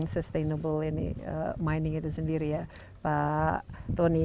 sustainable mining itu sendiri ya pak tony